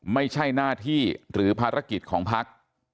ไม่ใช่หน้าที่หรือภารกิจของพัก